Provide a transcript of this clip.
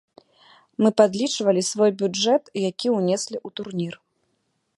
Мы падлічвалі свой бюджэт, які ўнеслі ў турнір.